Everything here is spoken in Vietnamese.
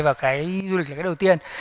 vào cái du lịch là cái đầu tiên